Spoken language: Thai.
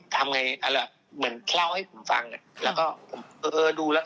ทำไงอ่ะเหรอเหมือนเล่าให้ผมฟังแล้วก็เออดูแล้วกัน